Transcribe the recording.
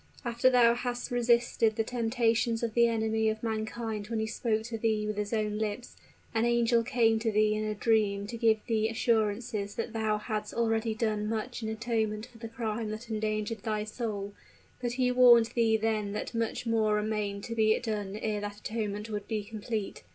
After thou hadst resisted the temptations of the enemy of mankind when he spoke to thee with his own lips, an angel came to thee in a dream to give thee assurance that thou hadst already done much in atonement for the crime that endangered thy soul; but he warned thee then that much more remained to be done ere that atonement would be complete.